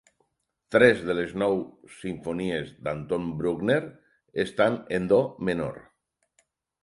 Tres de les nous simfonies d'Anton Bruckner estan en do menor.